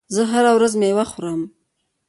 زه هره ورځ مېوه خورم.